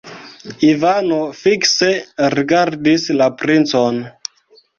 Ivano fikse rigardis la princon.